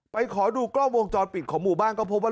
ขอดูกล้องวงจรปิดของหมู่บ้านก็พบว่า